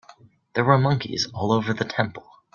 There were monkeys all over the temple.